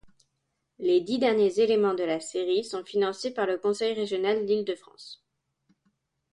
Les dix derniers éléments de la série sont financés par le Conseil régional d'Île-de-France.